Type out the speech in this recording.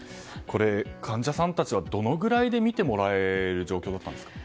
患者さんたちはどのくらいで診てもらえる状況だったんですか。